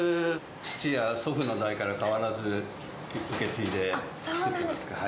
父や祖父の代から変わらず受け継いでいます。